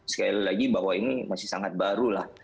sekali lagi bahwa ini masih sangat baru lah